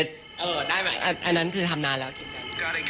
อันได้ไหมอันนั้นคือทำนานแล้วกินกัน